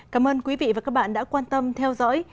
cảm ơn quý vị và các bạn đã quan tâm theo dõi